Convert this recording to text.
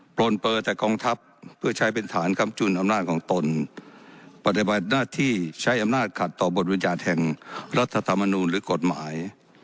โปรนเปลือแต่กองทัพเพื่อใช้เป็นฐานกำจุนอำนาจของตนปฏิบัติหน้าที่ใช้อำนาจขัดต่อบทวิญญาณแห่งรัฐธรรมนูลหรือกฎหมาย